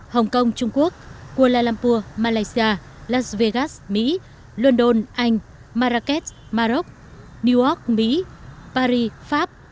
hong kong trung quốc kuala lumpur malaysia las vegas mỹ london anh marrakesh maroc newark mỹ paris pháp